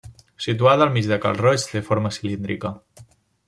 Situada al mig de Cal Roig, té forma cilíndrica.